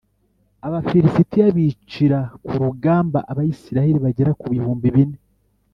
Abafilisitiya bicira ku rugamba Abisirayeli bagera ku bihumbi bine